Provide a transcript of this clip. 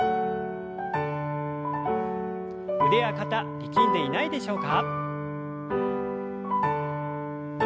腕や肩力んでいないでしょうか。